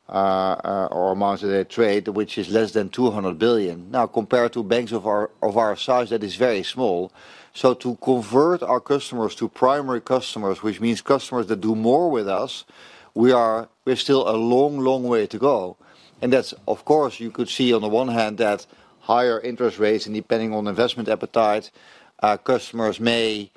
or amongst their trade, which is less than 200 billion. Now, compared to banks of our size, that is very small. So to convert our customers to primary customers, which means customers that do more with us, we're still a long, long way to go. And that's, of course, you could see on the one hand that higher interest rates and depending on investment appetite, customers may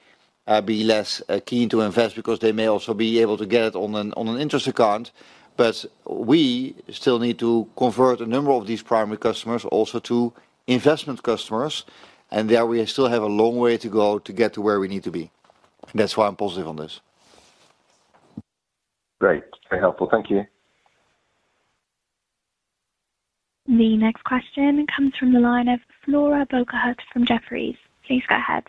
be less keen to invest because they may also be able to get it on an interest account. But we still need to convert a number of these primary customers also to investment customers, and there we still have a long way to go to get to where we need to be. That's why I'm positive on this. Great. Very helpful. Thank you. The next question comes from the line of Flora Bocahut from Jefferies. Please go ahead.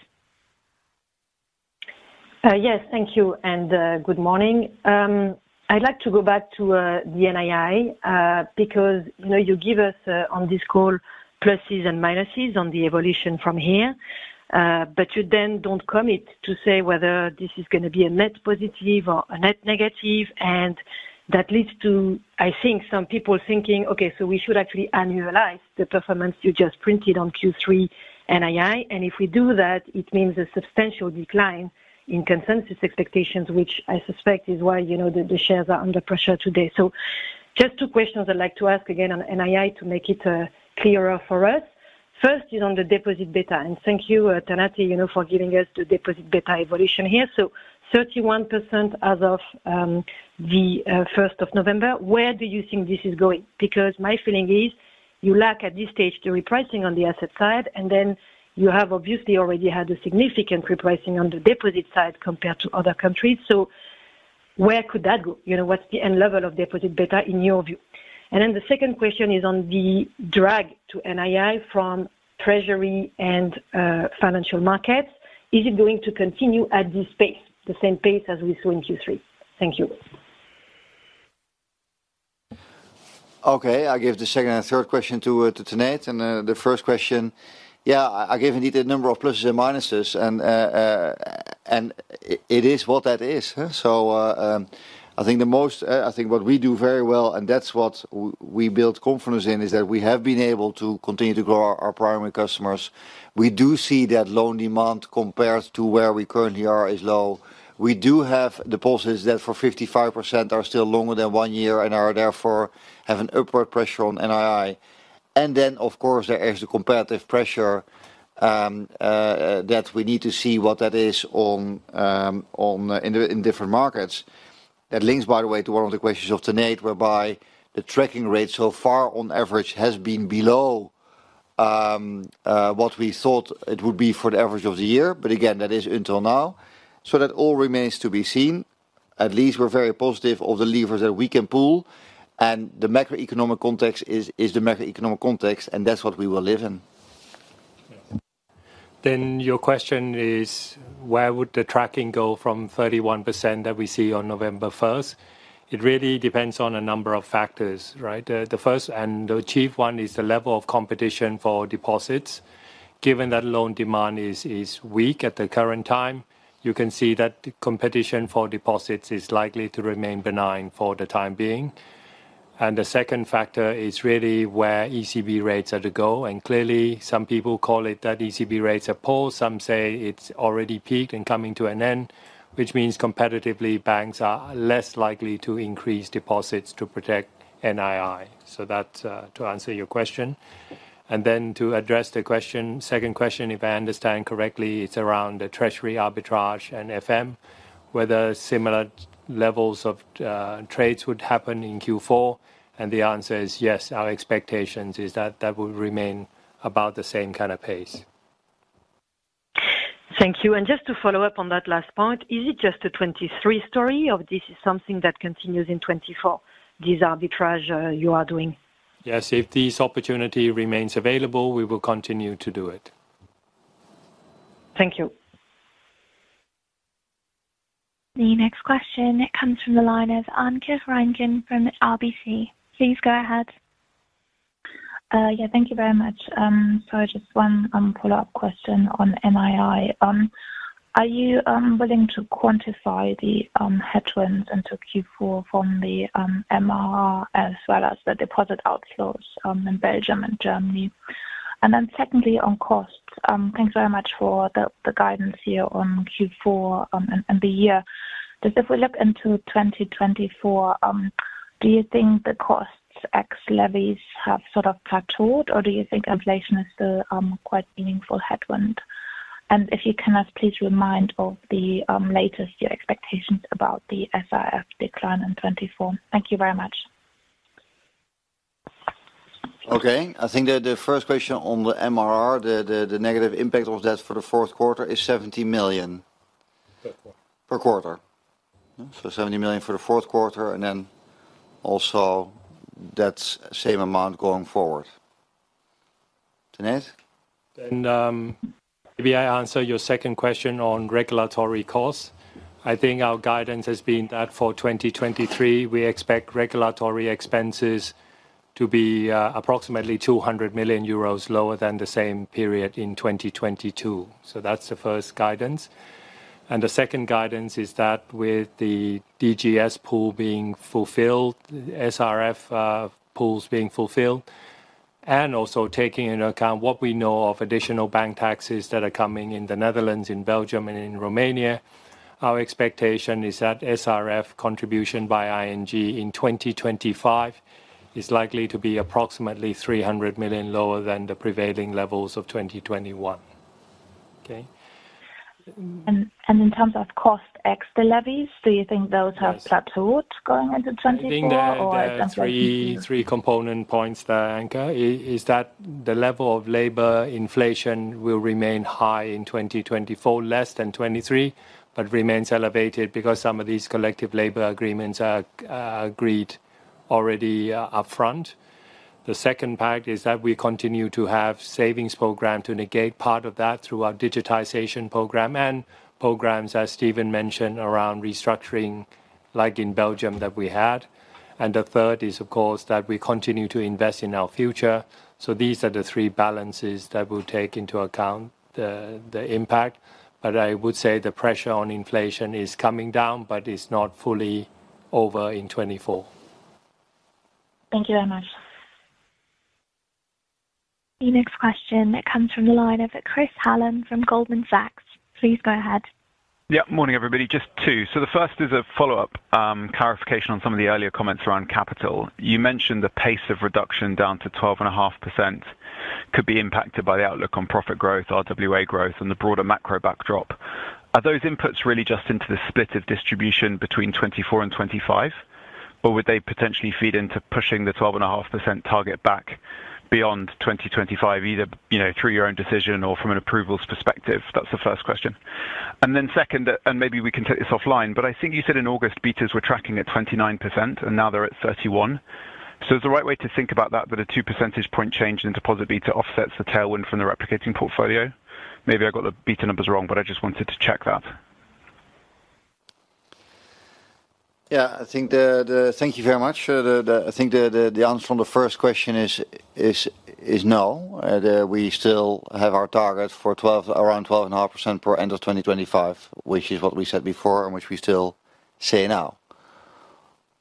Yes, thank you, and good morning. I'd like to go back to the NII, because, you know, you give us, on this call, pluses and minuses on the evolution from here, but you then don't commit to say whether this is gonna be a net positive or a net negative. That leads to, I think, some people thinking, "Okay, so we should actually annualize the performance you just printed on Q3 NII." If we do that, it means a substantial decline in consensus expectations, which I suspect is why, you know, the shares are under pressure today. So just two questions I'd like to ask again on NII to make it clearer for us. First, is on the deposit beta, and thank you, Tanate, you know, for giving us the deposit beta evolution here. So 31% as of the first of November, where do you think this is going? Because my feeling is, you lack at this stage, the repricing on the asset side, and then you have obviously already had a significant repricing on the deposit side compared to other countries. So where could that go? You know, what's the end level of deposit beta in your view? And then the second question is on the drag to NII from treasury and financial markets. Is it going to continue at this pace, the same pace as we saw in Q3? Thank you. Okay, I give the second and third question to Tanate. And the first question, yeah, I gave indeed a number of pluses and minuses, and it is what that is? So, I think the most, I think what we do very well, and that's what we build confidence in, is that we have been able to continue to grow our primary customers. We do see that loan demand, compared to where we currently are, is low. We do have deposits that for 55% are still longer than one year and are therefore have an upward pressure on NII. And then, of course, there is the competitive pressure that we need to see what that is on, on, in different markets. That links, by the way, to one of the questions of Tanate, whereby the tracking rate so far on average has been below what we thought it would be for the average of the year. But again, that is until now. So that all remains to be seen. At least we're very positive of the levers that we can pull, and the macroeconomic context is the macroeconomic context, and that's what we will live in. Then your question is: where would the tracking go from 31% that we see on November first? It really depends on a number of factors, right? The first and the chief one is the level of competition for deposits. Given that loan demand is weak at the current time, you can see that competition for deposits is likely to remain benign for the time being. And the second factor is really where ECB rates are to go, and clearly, some people call it that ECB rates are poor, some say it's already peaked and coming to an end, which means competitively, banks are less likely to increase deposits to protect NII. So that, to answer your question. Then to address the question, second question, if I understand correctly, it's around the treasury arbitrage and FM, whether similar levels of trades would happen in Q4, and the answer is yes. Our expectations is that that will remain about the same kind of pace. Thank you. Just to follow up on that last point, is it just a 2023 story, or this is something that continues in 2024, this arbitrage you are doing? Yes, if this opportunity remains available, we will continue to do it. Thank you. The next question comes from the line of Anke Reingen from RBC. Please go ahead. Yeah, thank you very much. So just one follow-up question on NII. Are you willing to quantify the headwinds into Q4 from the MRR, as well as the deposit outflows in Belgium and Germany? And then secondly, on costs, thanks very much for the guidance here on Q4 and the year. But if we look into 2024, do you think the costs ex-levies have sort of plateaued, or do you think inflation is still quite meaningful headwind? And if you can, please remind of the latest year expectations about the SRF decline in 2024. Thank you very much. Okay. I think that the first question on the MRR, the negative impact of that for the fourth quarter is 70 million- Per quarter. Per quarter. So 70 million for the fourth quarter, and then also that's same amount going forward. Tanate? Maybe I answer your second question on regulatory costs. I think our guidance has been that for 2023, we expect regulatory expenses to be approximately 200 million euros lower than the same period in 2022. So that's the first guidance. The second guidance is that with the DGS pool being fulfilled, SRF pools being fulfilled, and also taking into account what we know of additional bank taxes that are coming in the Netherlands, in Belgium, and in Romania, our expectation is that SRF contribution by ING in 2025 is likely to be approximately 300 million lower than the prevailing levels of 2021. Okay? In terms of cost ex the levies, do you think those have plateaued going into 2024? Or- I think there are three, three component points there, Anke, is that the level of labor inflation will remain high in 2024, less than 2023, but remains elevated because some of these collective labor agreements are agreed already, upfront. The second part is that we continue to have savings program to negate part of that through our digitization program and programs, as Steven mentioned, around restructuring, like in Belgium, that we had. And the third is, of course, that we continue to invest in our future. So these are the three balances that will take into account the, the impact. But I would say the pressure on inflation is coming down, but it's not fully over in 2024. Thank you very much. The next question that comes from the line of Chris Hallam from Goldman Sachs. Please go ahead. Yeah. Morning, everybody, just two. So the first is a follow-up, clarification on some of the earlier comments around capital. You mentioned the pace of reduction down to 12.5% could be impacted by the outlook on profit growth, RWA growth, and the broader macro backdrop. Are those inputs really just into the split of distribution between 2024 and 2025, or would they potentially feed into pushing the 12.5% target back beyond 2025, either, you know, through your own decision or from an approvals perspective? That's the first question. And then second, and maybe we can take this offline, but I think you said in August, betas were tracking at 29%, and now they're at 31%. Is the right way to think about that, that a 2 percentage point change in deposit beta offsets the tailwind from the replicating portfolio? Maybe I got the beta numbers wrong, but I just wanted to check that. Yeah, I think the... Thank you very much. The answer from the first question is no. We still have our target for around 12.5% by end of 2025, which is what we said before and which we still say now.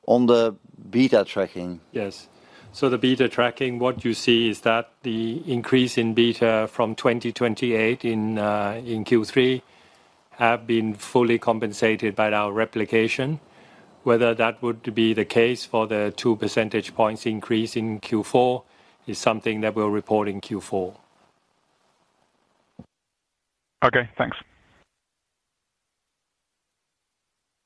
On the beta tracking? Yes. So the beta tracking, what you see is that the increase in beta from 20 to 28 in Q3 have been fully compensated by our replication. Whether that would be the case for the 2 percentage points increase in Q4 is something that we'll report in Q4. Okay, thanks.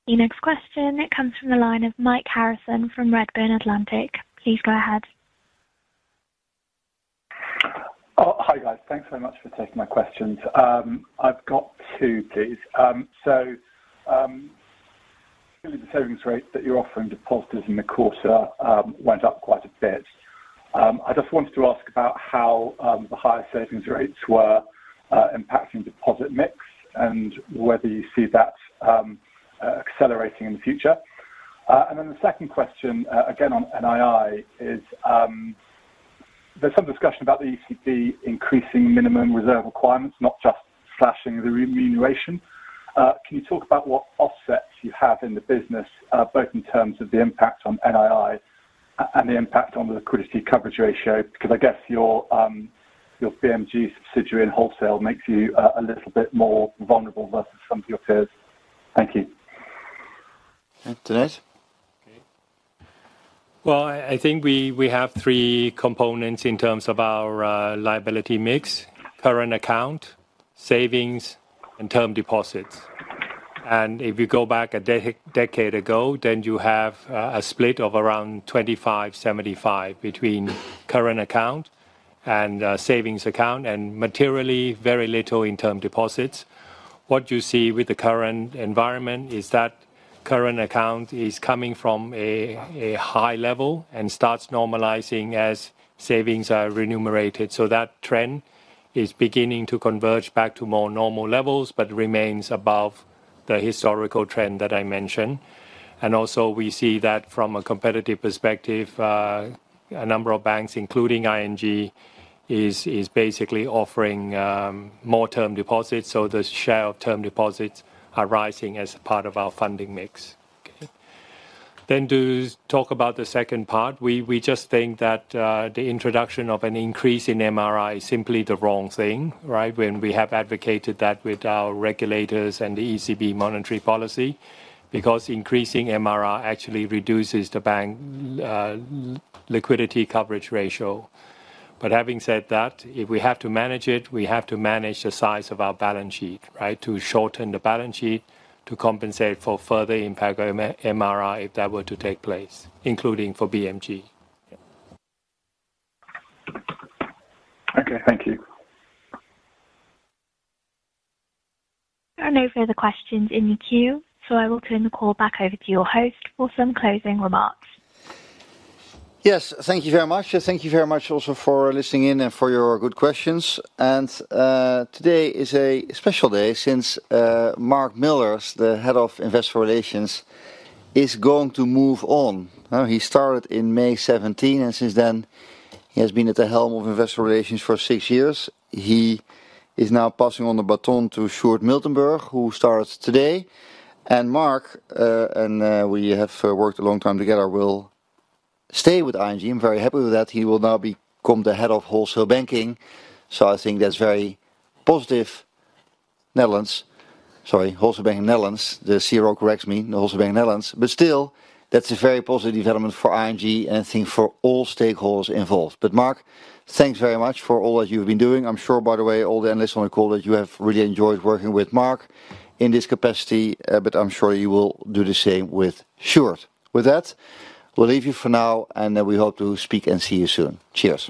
The next question comes from the line of Mike Harrison from Redburn Atlantic. Please go ahead. Hi, guys. Thanks so much for taking my questions. I've got two, please. So, the savings rate that you're offering depositors in the quarter went up quite a bit. I just wanted to ask about how the higher savings rates were impacting deposit mix and whether you see that accelerating in the future. And then the second question, again, on NII, is there's some discussion about the ECB increasing minimum reserve requirements, not just slashing the remuneration. Can you talk about what offsets you have in the business, both in terms of the impact on NII and the impact on the liquidity coverage ratio? Because I guess your BMG subsidiary in wholesale makes you a little bit more vulnerable versus some of your peers. Thank you. Tanate? Okay. Well, I think we have three components in terms of our liability mix: current account, savings, and term deposits. And if you go back a decade ago, then you have a split of around 25, 75 between current account and savings account, and materially, very little in term deposits. What you see with the current environment is that-... current account is coming from a high level and starts normalizing as savings are remunerated. So that trend is beginning to converge back to more normal levels, but remains above the historical trend that I mentioned. And also, we see that from a competitive perspective, a number of banks, including ING, is basically offering more term deposits, so the share of term deposits are rising as a part of our funding mix. Then to talk about the second part, we just think that the introduction of an increase in MRR is simply the wrong thing, right? When we have advocated that with our regulators and the ECB monetary policy, because increasing MRR actually reduces the bank liquidity coverage ratio. But having said that, if we have to manage it, we have to manage the size of our balance sheet, right? To shorten the balance sheet, to compensate for further impact of MRR, if that were to take place, including for BMG. Okay, thank you. There are no further questions in the queue, so I will turn the call back over to your host for some closing remarks. Yes, thank you very much. Thank you very much also for listening in and for your good questions. And, today is a special day since, Mark Milders, Head of Investor Relations, is going to move on. Now, he started in May 2017, and since then, he has been at the helm of Investor Relations for six years. He is now passing on the baton to Sjoerd Miltenburg, who starts today. And Mark, and, we have worked a long time together, will stay with ING. I'm very happy with that. He will now become Head of Wholesale Banking Netherlands, so I think that's very positive. Netherlands. Sorry, Wholesale Bank, Netherlands. The CRO corrects me, Wholesale Bank, Netherlands. But still, that's a very positive development for ING and I think for all stakeholders involved. But Mark, thanks very much for all that you've been doing. I'm sure, by the way, all the analysts on the call that you have really enjoyed working with Mark in this capacity, but I'm sure you will do the same with Sjoerd. With that, we'll leave you for now, and then we hope to speak and see you soon. Cheers.